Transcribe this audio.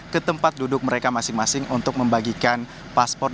ke tempat duduk mereka masing masing untuk membagikan paspor